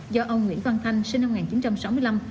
do ông nguyễn văn thanh sinh năm một nghìn chín trăm sáu mươi năm